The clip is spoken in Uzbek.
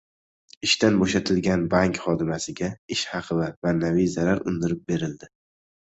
Ishdan bo‘shatilgan bank xodimasiga ish haqi va ma’naviy zarar undirib berildi